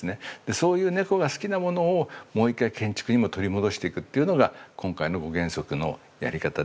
そういう猫が好きなものをもう一回建築にも取り戻していくというのが今回の５原則のやり方で。